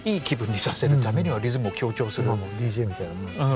今のＤＪみたいなもんですね。